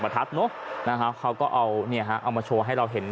ทัดเนอะนะฮะเขาก็เอาเนี่ยฮะเอามาโชว์ให้เราเห็น